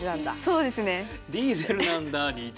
そうですね。